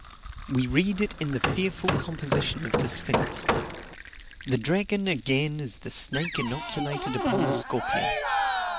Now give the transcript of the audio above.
We read it in the fearful composition of the sphinx. The dragon, again, is the snake inoculated upon the scorpion.